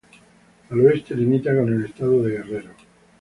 Al oeste limita con el estado de Guerrero.